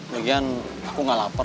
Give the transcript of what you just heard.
lagian aku enggak lapar